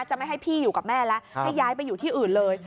จะไม่ให้พี่อยู่กับแม่แล้วให้ย้ายไปอยู่ที่อื่นเลย